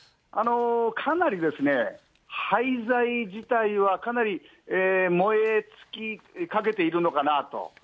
かなりですね、廃材自体は、かなり燃え尽きかけているのかなと。